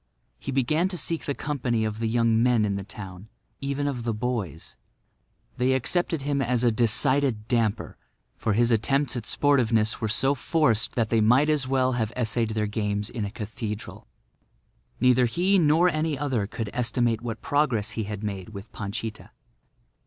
He began to seek the company of the young men in the town—even of the boys. They accepted him as a decided damper, for his attempts at sportiveness were so forced that they might as well have essayed their games in a cathedral. Neither he nor any other could estimate what progress he had made with Panchita.